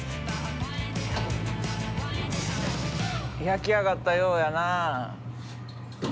焼き上がったようやな。